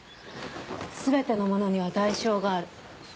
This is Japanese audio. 全てのものには代償がある。